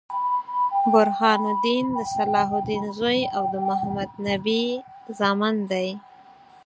برهان الدين د صلاح الدین زوي او د محمدنبي زامن دي.